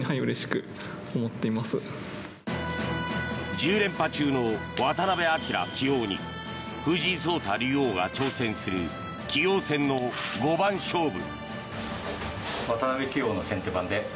１０連覇中の渡辺明棋王に藤井聡太竜王が挑戦する棋王戦の五番勝負。